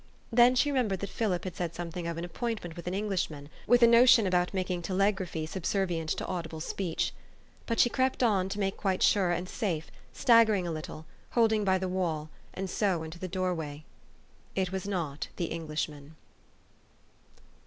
Then she remembered that Philip had said something of an appointment with an Eng lishman, with a notion about making telegraphy subservient to audible speech. But she crept on to make quite sure and safe, staggering a little, holding by the wall, and so into the doorway. It was not the Englishman.